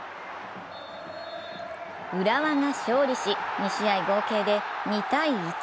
浦和が勝利し、２試合合計で２−１。